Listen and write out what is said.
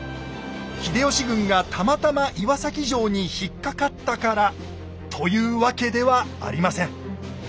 秀吉軍がたまたま岩崎城に引っ掛かったからというわけではありません。